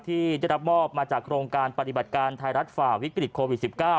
ที่ได้รับมอบมาจากโครงการปฏิบัติการไทยรัฐฝ่าวิกฤตโควิด๑๙